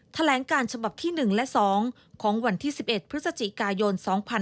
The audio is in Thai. แถลงการฉบับที่๑และ๒ของวันที่๑๑พฤศจิกายน๒๕๕๙